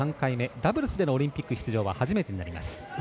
ダブルスでのオリンピック出場は初めてとなります。